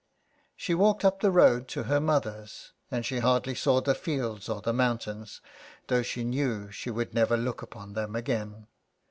She walked up the road to her mother's, and she hardly saw the fields or the mountains, though she knew she would never look upon them again.